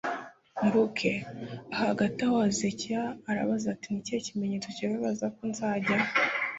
mbuke a Hagati aho Hezekiya arabaza ati ni ikihe kimenyetso kigaragaza ko nzajya